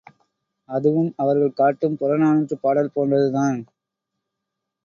அதுவும் அவர்கள் காட்டும் புறநானூற்றுப் பாடல் போன்றதுதான்.